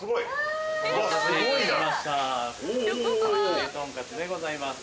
ひれとんかつでございます。